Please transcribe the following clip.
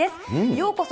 ようこそ！